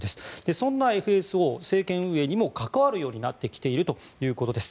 そんなＦＳＯ、政権運営にも関わるようになってきているということです。